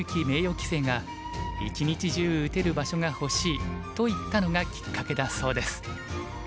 名誉棋聖が「１日中打てる場所が欲しい」と言ったのがきっかけだそうです。